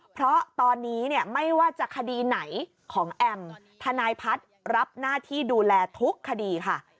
เพราะตอนนี้เนี่ยไม่ว่าจะคดีไหนของแอมทนายพัฒน์รับหน้าที่ดูแลทุกคดีค่ะ